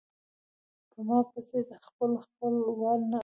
پۀ ما پسې د خپل خپل وال نه غاپي